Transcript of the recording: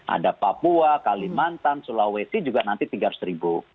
ada papua kalimantan sulawesi juga nanti rp tiga ratus